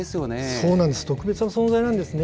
そうなんです、特別な存在なんですね。